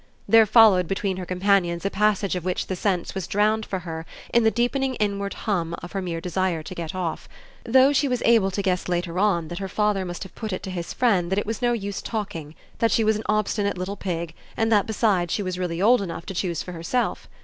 There followed between her companions a passage of which the sense was drowned for her in the deepening inward hum of her mere desire to get off; though she was able to guess later on that her father must have put it to his friend that it was no use talking, that she was an obstinate little pig and that, besides, she was really old enough to choose for herself.